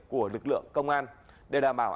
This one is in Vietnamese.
của lực lượng công an để đảm bảo